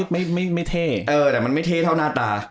ไม่เทเออแต่มันไม่เทเท่าน่าตา